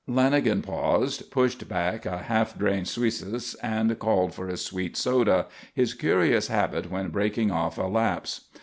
Lanagan paused, pushed back a half drained suisses and called for a sweet soda his curious habit when breaking off a "lapse."